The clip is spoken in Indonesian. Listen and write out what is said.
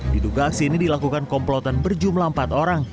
diduga aksi ini dilakukan komplotan berjumlah empat orang